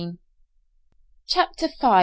CHAPTER XV.